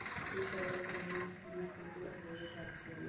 বিষয়টা কেমন বিদঘুটে হয়ে যাচ্ছে নায?